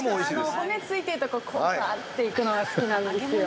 ◆骨ついてるところがっと行くのが好きなんですよ。